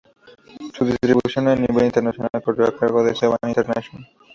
Su distribución a nivel internacional corrió a cargo de Saban International.